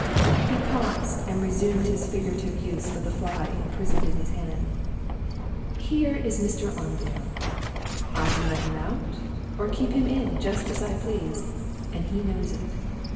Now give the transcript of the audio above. He paused, and resumed his figurative use of the fly imprisoned in his hand. 'Here is Mr. Armadale. I can let him out, or keep him in, just as I please and he knows it.